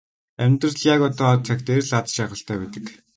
Амьдрал яг одоо цаг дээр л аз жаргалтай байдаг.